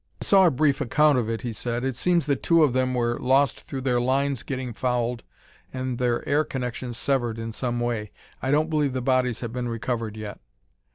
"I saw a brief account of it," he said. "It seems that two of them were lost through their lines getting fouled and their air connections severed in some way. I don't believe the bodies have been recovered yet."